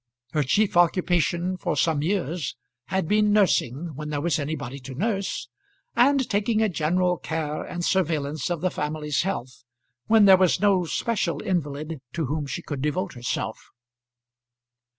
Her chief occupation for some years had been nursing when there was anybody to nurse, and taking a general care and surveillance of the family's health when there was no special invalid to whom she could devote herself.